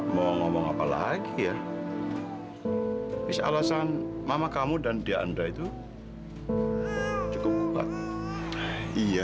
sampai jumpa di video selanjutnya